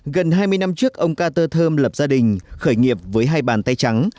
gần hai mươi năm trước ông carter thơm lập gia đình khởi nghiệp với hai bàn tay trắng